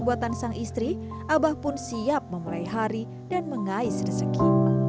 buatan sang istri abah pun siap memulai hari dan mengais rezeki